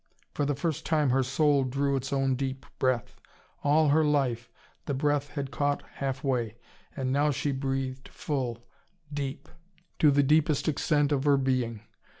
For the first time her soul drew its own deep breath. All her life, the breath had caught half way. And now she breathed full, deep, to the deepest extent of her being.